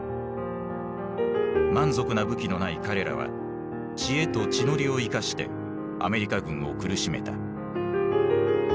満足な武器のない彼らは知恵と地の利を生かしてアメリカ軍を苦しめた。